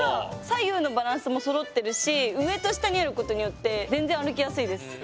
左右のバランスもそろってるし上と下にあることによってへえ。